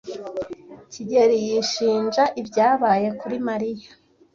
kigeli yishinja ibyabaye kuri Mariya.